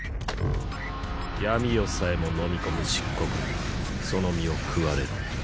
闇夜さえも飲み込む漆黒にその身を食われろ。